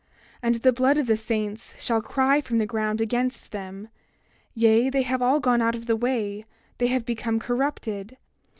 28:10 And the blood of the saints shall cry from the ground against them. 28:11 Yea, they have all gone out of the way; they have become corrupted.